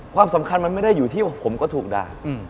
ความสำคัญมันไม่ได้อยู่ที่ผมก็ถูกด่า